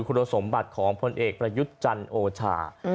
คุณสมบัติของพลเอกประยุทธ์จันทร์โอชา